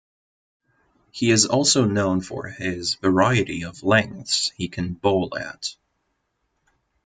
He is also known for his variety of lengths he can bowl at.